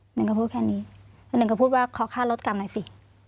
หนูก็พูดว่าขอค้ารถกรรมหน่อยสิ